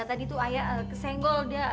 tadi tuh ayah kesenggol da